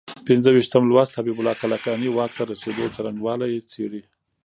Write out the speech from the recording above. پنځه ویشتم لوست حبیب الله کلکاني واک ته رسېدو څرنګوالی څېړي.